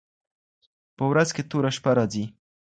په ورځ كي توره شپـه راځي